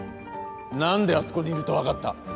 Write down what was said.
何であそこにいるとわかった？